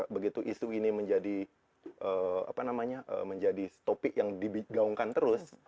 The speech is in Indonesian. begitu isu ini menjadi topik yang digaungkan terus